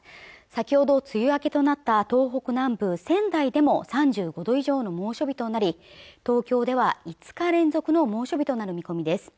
先ほど梅雨明けとなった東北南部仙台でも３５度以上の猛暑日となり東京では５日連続の猛暑日となる見込みです